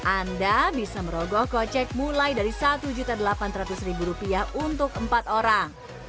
anda bisa merogoh kocek mulai dari rp satu delapan ratus untuk empat orang